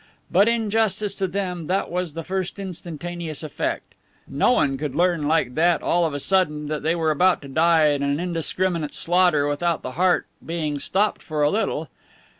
But, in justice to them, that was the first instantaneous effect. No one could learn like that, all of a sudden, that they were about to die in an indiscriminate slaughter without the heart being stopped for a little.